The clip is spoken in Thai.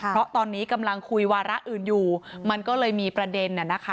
เพราะตอนนี้กำลังคุยวาระอื่นอยู่มันก็เลยมีประเด็น